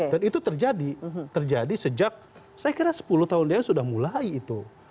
dan itu terjadi sejak saya kira sepuluh tahun dia sudah mulai itu